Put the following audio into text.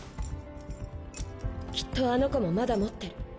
きっとあの子もまだ持ってる。